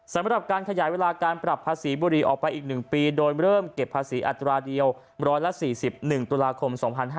สำหรับการขยายเวลาการปรับภาษีบุรีออกไปอีก๑ปีโดยเริ่มเก็บภาษีอัตราเดียว๑๔๑ตุลาคม๒๕๕๙